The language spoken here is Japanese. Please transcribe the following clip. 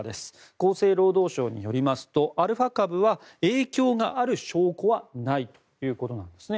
厚生労働省によりますとアルファ株は影響がある証拠はないということなんですね。